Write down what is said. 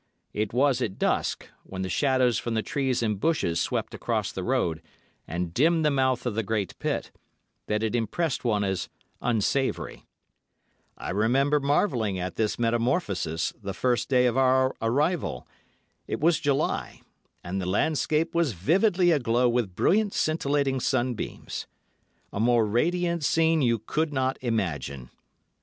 It was at dusk, when the shadows from the trees and bushes swept across the road and dimmed the mouth of the great pit, that it impressed one as unsavoury. I remember marvelling at this metamorphosis the first day of our arrival. It was July, and the landscape was vividly aglow with brilliant, scintillating sunbeams. A more radiant scene you could not imagine.